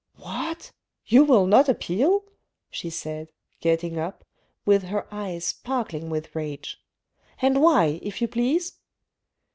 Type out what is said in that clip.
" What ! you will not appeal," she said, getting up, with her eyes sparkling with rage. " And why, if you please